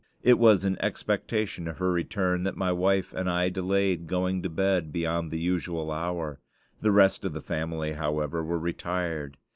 It was in expectation of her return that my wife and I delayed going to bed beyond the usual hour; the rest of the family, however, were retired.